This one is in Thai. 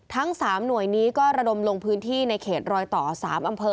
ทั้ง๓หน่วยนี้ก็ระดมลงพื้นที่ในเขตรอยต่อ๓อำเภอ